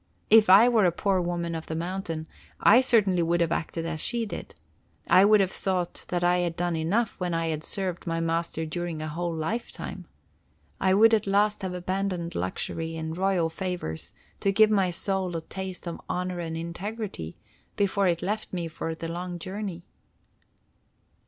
If I were a poor woman of the mountains, I certainly would have acted as she did. I would have thought that I had done enough when I had served my master during a whole lifetime. I would at last have abandoned luxury and royal favors to give my soul a taste of honor and integrity before it left me for the long journey."